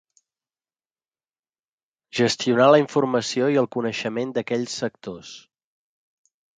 Gestionar la informació i el coneixement d'aquells sectors.